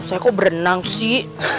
saya kok berenang sih